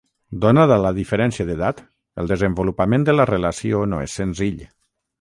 Donada la diferència d'edat, el desenvolupament de la relació no és senzill.